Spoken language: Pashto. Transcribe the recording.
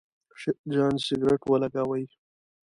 شیرجان سګرېټ ولګاوې.